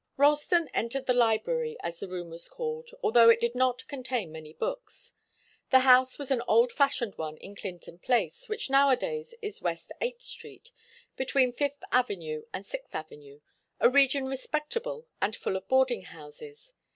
Ralston entered the library, as the room was called, although it did not contain many books. The house was an old fashioned one in Clinton Place, which nowadays is West Eighth Street, between Fifth Avenue and Sixth Avenue, a region respectable and full of boarding houses.